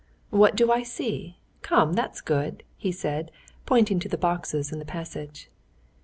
"What do I see? Come, that's good!" he said, pointing to the boxes in the passage.